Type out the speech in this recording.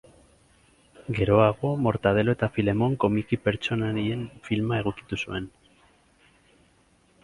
Geroago Mortadelo eta Filemon komiki pertsonaien filma egokitu zuen.